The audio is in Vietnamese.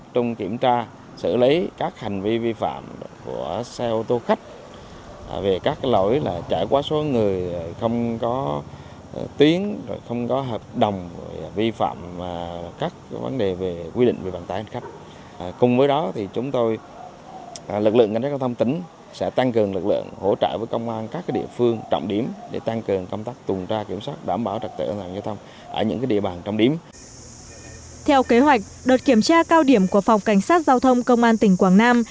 theo kế hoạch đợt kiểm tra cao điểm của phòng cảnh sát giao thông công an tỉnh quảng nam